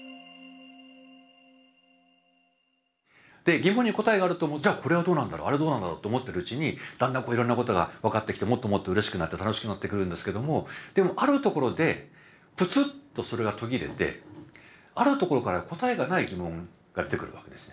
疑問に答えがあると思うとじゃあこれはどうなんだろうあれはどうなんだろうと思ってるうちにだんだんいろんなことが分かってきてもっともっとうれしくなって楽しくなってくるんですけどもでもあるところでプツッとそれが途切れてあるところから答えがない疑問が出てくるわけですね。